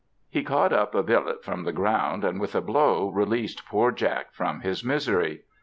He caught up a billet from the ground, and with a blow, released poor Jack from his misery.